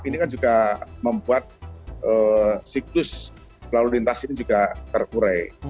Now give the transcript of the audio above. ini kan juga membuat siklus kelarurintas ini juga terkure